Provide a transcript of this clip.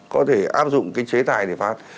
có thể áp dụng cái chế tài để phát